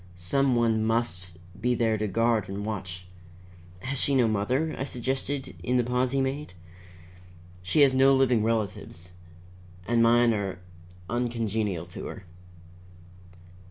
Some one must be there to guard and watch " "Has she no mother?" I suggested in the pause he made. "She has no living relatives, and mine are uncongenial to her."